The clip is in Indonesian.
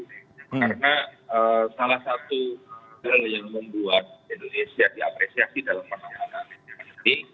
karena salah satu hal yang membuat indonesia diapresiasi dalam pasangan karantina